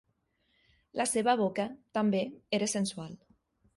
La seva boca, també, era sensual.